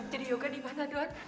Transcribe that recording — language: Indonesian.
jadi yoga dimana don